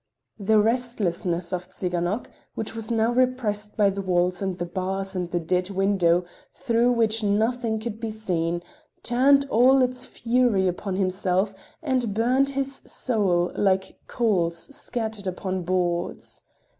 The restlessness of Tsiganok, which was now repressed by the walls and the bars and the dead window through which nothing could be seen, turned all its fury upon himself and burned his soul like coals scattered upon boards.